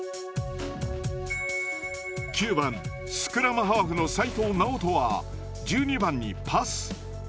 ９番スクラムハーフの齋藤直人は１２番にパス。